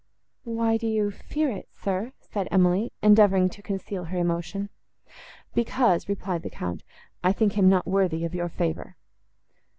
—"Why do you fear it, sir?" said Emily, endeavouring to conceal her emotion.—"Because," replied the Count, "I think him not worthy of your favour."